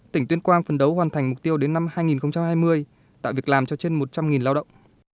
tỉnh tuyên quang phần đấu hoàn thành mục tiêu đến năm hai nghìn hai mươi tạo việc làm cho trên một trăm linh lao động